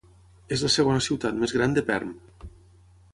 És la segona ciutat més gran de Perm.